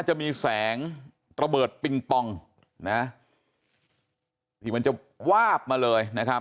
จะมีแสงระเบิดปิงปองนะที่มันจะวาบมาเลยนะครับ